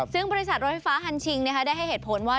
ซึ่งบริษัทรถไฟฟ้าฮันชิงได้ให้เหตุผลว่า